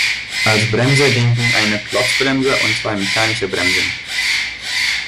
Als Bremse dienten eine Klotzbremse und zwei mechanische Bremsen.